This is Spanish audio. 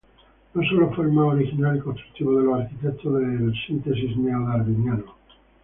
No solo fue el más original y constructivo de los arquitectos del síntesis neo-Darwiniano.